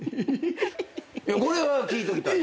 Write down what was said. これは聞いときたい。